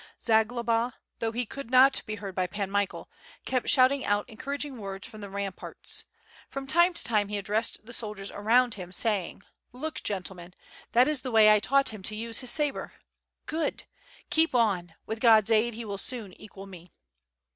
Zagloba, though he could not be heard by Pan Michael, kept shouting out en couraging words from the ramparts. From time to time he addressed the soldiers around him, saying: 696 WITH FIRE AND SWORD. "Look, gentlemen, that is the way I taught him to use his sabre. Good! keep on! with God's aid he will soon equal me."